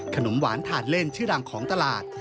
ขนมหวานทานเล่นชื่อดังของตลาด